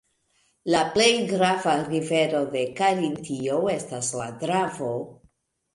La plej grava rivero de Karintio estas la Dravo.